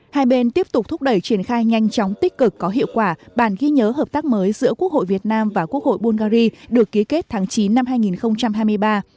hai bên tiếp tục thúc đẩy triển khai nhanh chóng tích cực có hiệu quả bản ghi nhớ hợp tác mới giữa quốc hội việt nam và quốc hội bungary được ký kết tháng chín năm hai nghìn hai mươi ba